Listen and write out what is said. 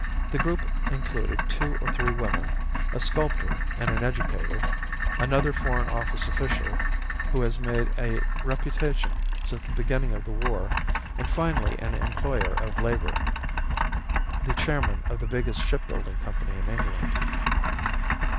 The group included two or three women, a sculptor and an educator, another Foreign Office official who has made a reputation since the beginning of the war, and finally an employer of labour, the chairman of the biggest shipbuilding company in England.